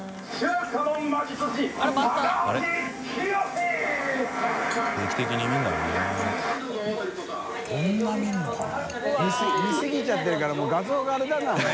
福見過ぎちゃってるから發画像があれだなもうな。